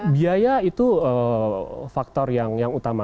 biaya itu faktor yang utama